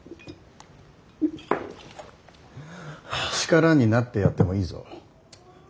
力になってやってもいいぞ。